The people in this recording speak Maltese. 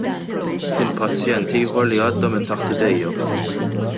Kien pazjent ieħor li għadda minn taħt idejja.